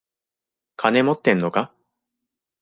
金持ってんのか？